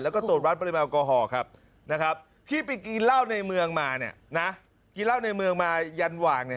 แล้วก็ตรวจวัดปริมาณกอห่อครับที่ไปกินเหล้าในเมืองมาเนี่ยนะ